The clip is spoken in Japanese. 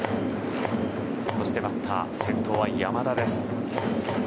そしてバッター、先頭は山田。